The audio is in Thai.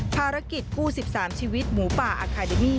ภารกิจกู้๑๓ชีวิตหมูป่าอาคาเดมี่